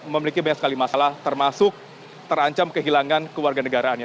memiliki banyak sekali masalah termasuk terancam kehilangan keluarga negaraannya